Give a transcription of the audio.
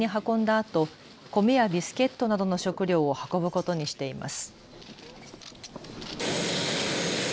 あと米やビスケットなどの食料を運ぶことにしています。